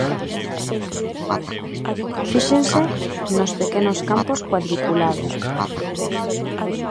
Fíxense nos pequenos campos cuadriculados.